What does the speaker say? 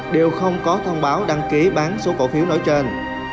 đều không có thông báo đăng ký bán số cổ phiếu nói trên